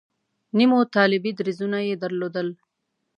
نیمو طالبي دریځونه یې درلودل.